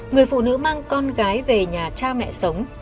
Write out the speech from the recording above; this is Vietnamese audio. người phụ nữ mang con gái về nhà cha mẹ sống